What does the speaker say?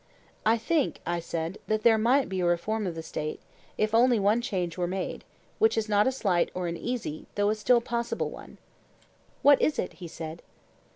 I think, I said, that there might be a reform of the State if only one change were made, which is not a slight or easy though still a possible one. What is it? he said.